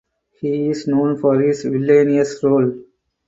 He is known for his villainous roles.